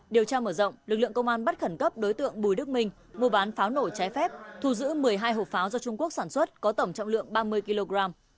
điều tra mở rộng lực lượng công an bắt khẩn cấp đối tượng bùi đức minh mua bán pháo nổ trái phép thu giữ một mươi hai hộp pháo do trung quốc sản xuất có tổng trọng lượng ba mươi kg